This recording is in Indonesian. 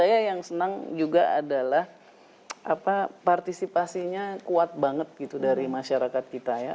saya yang senang juga adalah partisipasinya kuat banget gitu dari masyarakat kita ya